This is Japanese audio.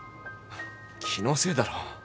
気のせいだろう。